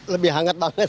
lebih hangat banget